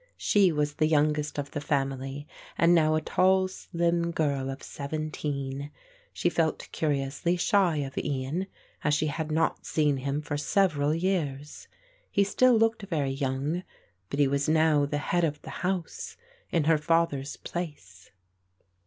She was the youngest of the family, and now a tall slim girl of seventeen. She felt curiously shy of Ian, as she had not seen him for several years. He still looked very young; but he was now the head of the house in her father's place.